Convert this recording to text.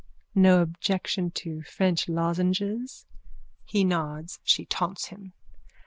_ No objection to French lozenges? _(He nods. She taunts him.)